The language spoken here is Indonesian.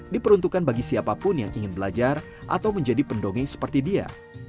diperuntukkan bagi siapapun yang ingin belajar atau menjadi pendongeng seperti dia